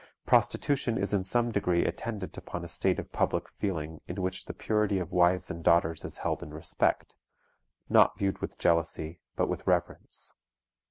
Prostitution is in some degree attendant upon a state of public feeling in which the purity of wives and daughters is held in respect not viewed with jealousy, but with reverence.